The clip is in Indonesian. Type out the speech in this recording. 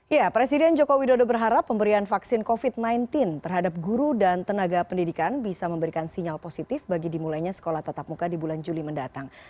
ya presiden joko widodo berharap pemberian vaksin covid sembilan belas terhadap guru dan tenaga pendidikan bisa memberikan sinyal positif bagi dimulainya sekolah tatap muka di bulan juli mendatang